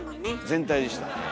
全体でしたね。